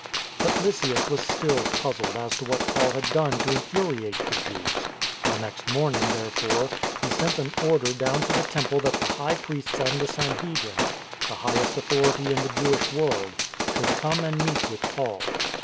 But Lysias was still puzzled as to what Paul had done to infuriate the Jews. The next morning, there fore, he sent an order down to the Temple that the high priests and the Sanhedrin — the highest authority in the Jewish world — should come and meet with Paul.